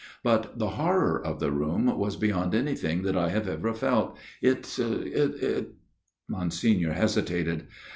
" But the horror of the room was beyond anything that 1 have ever felt. It it " Monsignor hesitated.